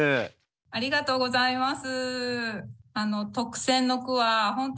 ありがとうございます。